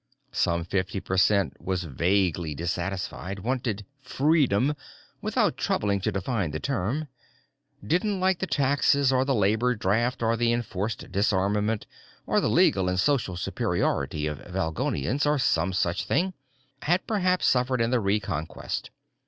Some fifty per cent was vaguely dissatisfied, wanted "freedom" without troubling to define the term, didn't like the taxes or the labor draft or the enforced disarmament or the legal and social superiority of Valgolians or some such thing, had perhaps suffered in the reconquest.